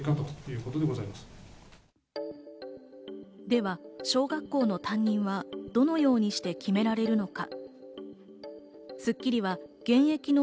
では、小学校の担任はどのようにして決められるのか？